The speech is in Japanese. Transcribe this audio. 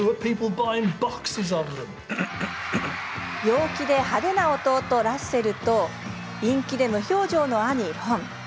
陽気で派手な弟・ラッセルと陰気で無表情の兄・ロン。